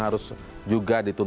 terima kasih pak